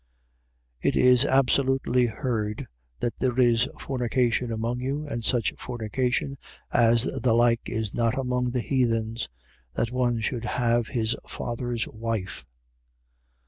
5:1. It is absolutely heard that there is fornication among you and such fornication as the like is not among the heathens: that one should have his father's wife.